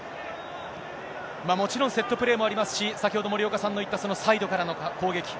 もちろん、セットプレーもありますし、先ほど森岡さんの言った、そのサイドからの攻撃。